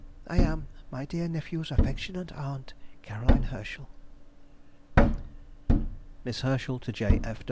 I am, My dear nephew's affectionate aunt, C. HERSCHEL. MISS HERSCHEL TO J.